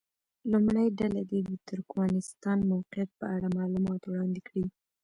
لومړۍ ډله دې د ترکمنستان موقعیت په اړه معلومات وړاندې کړي.